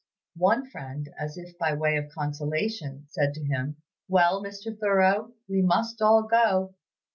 One friend, as if by way of consolation, said to him, 'Well, Mr. Thoreau, we must all go.'